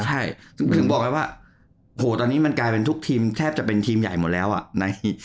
ใช่ถึงบอกไงว่าโหตอนนี้มันกลายเป็นทุกทีมแทบจะเป็นทีมใหญ่หมดแล้วอ่ะใน